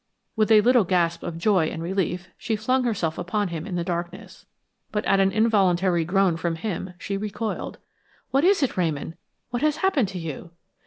With a little gasp of joy and relief she flung herself upon him in the darkness, but at an involuntary groan from him she recoiled. "What is it, Ramon? What has happened to you?"